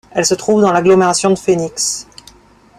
Elle se trouve dans l'agglomération de Phoenix.